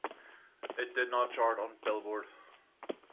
It did not chart on "Billboard".